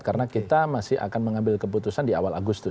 karena kita masih akan mengambil keputusan di awal agustus